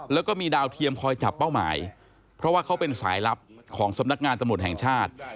แล้วก็มีดาวเทียมคอยจับเป้าหมายเพราะว่าเขาเป็นสายลับของสำนักงานตำรวจแห่งชาติ